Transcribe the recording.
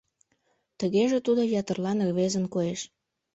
Тыгеже тудо ятырлан рвезын коеш.